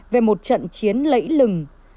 về một trận chiến lẫy lừng